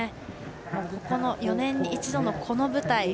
４年に一度のこの舞台